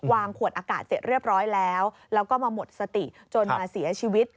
วางขวดอากาศเสร็จเรียบร้อยแล้วแล้วก็มาหมดสติจนมาเสียชีวิต